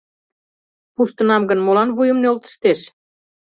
Пуштынам гын, молан вуйым нӧлтыштеш?